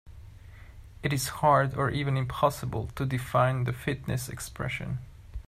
It is hard or even impossible to define the fitness expression.